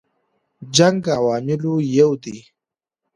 جنګ عواملو یو دی.